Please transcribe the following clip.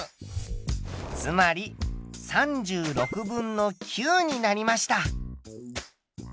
つまり３６分の９になりました。